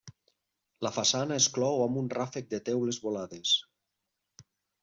La façana es clou amb un ràfec de teules volades.